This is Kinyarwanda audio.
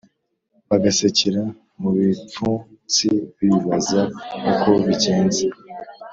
bagasekera mu bipfunsibibaza uko bigenze